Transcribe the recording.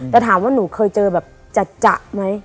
แต่ถามว่าหนูเคยเจอแบบจะไหม